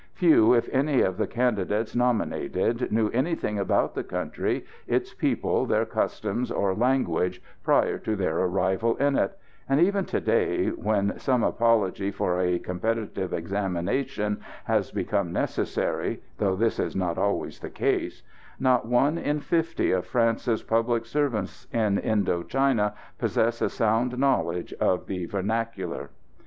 Few, if any, of the candidates nominated knew anything about the country, its people, their customs or language prior to their arrival in it; and even to day, when some apology for a competitive examination has become necessary though this is not always the case not one in fifty of France's public servants in Indo China possesses a sound knowledge of the vernacular.